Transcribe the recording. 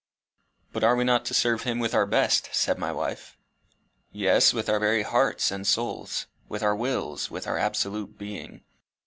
"But are we not to serve him with our best?" said my wife. "Yes, with our very hearts and souls, with our wills, with our absolute being.